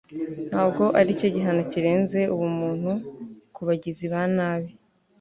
Ntabwo aricyo gihano kirenze ubumuntu kubagizi ba nabi